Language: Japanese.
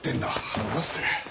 離せ。